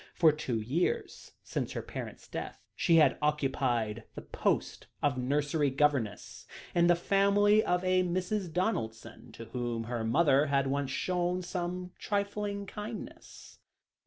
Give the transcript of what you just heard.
For two years since her parents' death, she had occupied the post of nursery governess in the family of a Mrs. Donaldson, to whom her mother had once shown some trifling kindness.